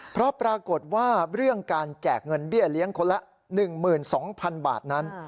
เพราะปรากฏว่าเรื่องการแจกเงินเบี้ยเลี้ยงคนละ๑๒๐๐๐บาทนั้น